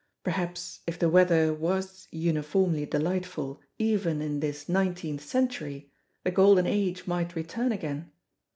Perhaps if the weather was uniformly delightful, even in this nineteenth century, the golden age might return again.